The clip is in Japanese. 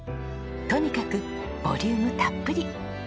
とにかくボリュームたっぷり。